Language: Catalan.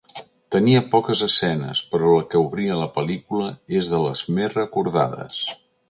Tenia poques escenes, però la que obria la pel·lícula és de les més recordades.